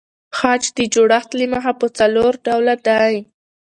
خج د جوړښت له مخه پر څلور ډوله دئ.